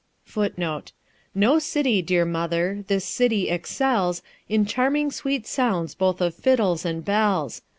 1 1 '' No city, dear mother, this city excels In charming sweet sounds both of fiddles and bells.